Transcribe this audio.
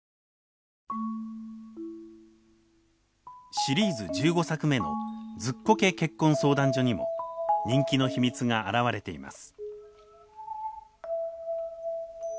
シリーズ１５作目の「ズッコケ結婚相談所」にも人気の秘密が表れています。